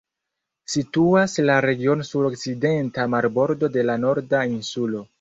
Situas la regiono sur okcidenta marbordo de la Norda Insulo.